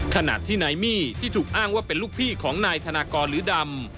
ขณะที่นายมี่ที่ถูกอ้างว่าเป็นลูกพี่ของนายธนากรหรือดำ